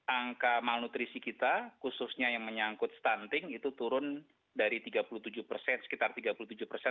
angka malnutrisi kita khususnya yang menyangkut stunting itu turun dari tiga puluh tujuh persen sekitar tiga puluh tujuh persen